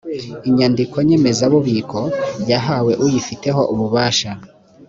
inyandiko nyemezabubiko yahawe uyifiteho ububasha.